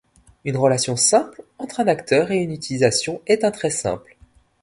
Une relation simple entre un acteur et une utilisation est un trait simple.